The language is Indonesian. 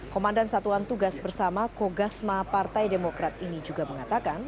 komandan satuan tugas bersama kogasma partai demokrat ini juga mengatakan